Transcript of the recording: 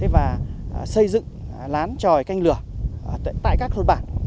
và xây dựng lán tròi canh lửa tại các thôn bản